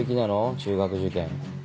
中学受験。